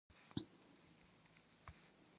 Maxuer şıbzığem khepş'efınuş a lhenıkhuer dığemç'e.